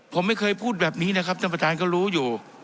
ผมไม่เคยพูดแบบนี้นะครับท่านประธานก็รู้อยู่